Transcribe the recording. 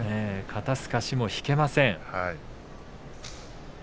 肩すかしも引けません。